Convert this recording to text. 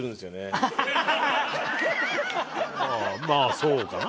まあそうかな。